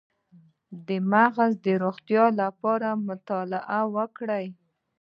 د مغز د روغتیا لپاره مطالعه وکړئ